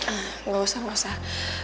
enggak usah enggak usah